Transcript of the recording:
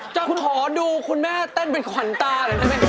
จะขอดูคุณแม่แต้นนั่นเป็นขวัญตา